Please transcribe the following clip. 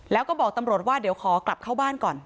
แล้วก็บอกตำรวจว่าเดี๋ยวขอกลับเข้าบ้านก่อน